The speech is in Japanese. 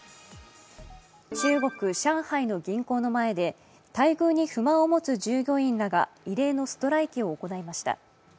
中国・上海の銀行の前で待遇に不満を持つ従業員らが異例のストライキを行いました。